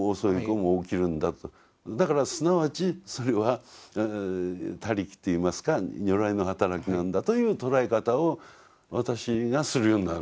だからすなわちそれは他力と言いますか如来の働きなんだという捉え方を私がするようになるわけですよ。